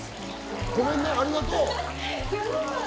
ごめんねありがとう！